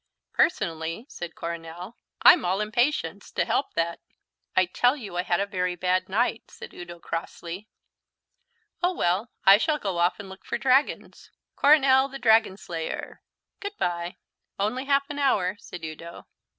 "Personally," said Coronel, "I'm all impatience to help that " "I tell you I had a very bad night," said Udo crossly. "Oh, well, I shall go off and look for dragons. Coronel, the Dragon Slayer. Good bye." "Only half an hour," said Udo.